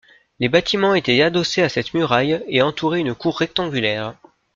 Les bâtiments étaient adossés à cette muraille, et entouraient une cour rectangulaire.